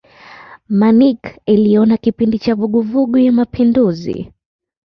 Munich iliona kipindi cha vuguvugu ya mapinduzi.